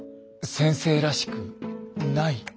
先生らしくない？